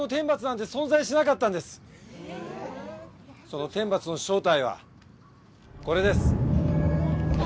その天罰の正体はこれです。